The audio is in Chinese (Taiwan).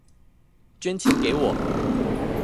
捐錢給我